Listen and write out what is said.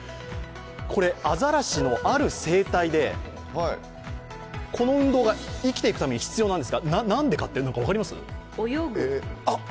これ、アザラシのある生態で、この運動が生きていくために必要なんですがなんでかって分かります？